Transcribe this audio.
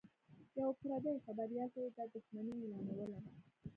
یوه پردي خبریال ته یې دا دښمني اعلانوله